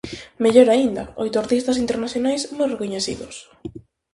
Mellor aínda, oito artistas internacionais moi recoñecidos.